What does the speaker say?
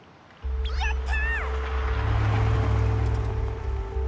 やった！